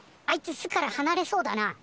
あいつ巣からはなれそうだな。